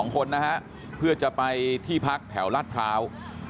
๒คนนะฮะเพื่อจะไปที่พักแถวลาดพร้าว